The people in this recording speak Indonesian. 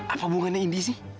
apa hubungannya indi sih